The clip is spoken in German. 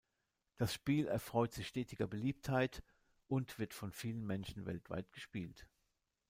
Das Spiel erfreut sich stetiger Beliebtheit und wird von vielen Menschen weltweit gespielt.